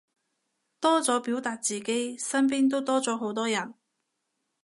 多咗表達自己，身邊都多咗好多人